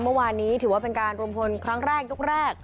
เมื่อวานนี้ถือว่าเป็นการรวมพลครั้งแรกยกแรก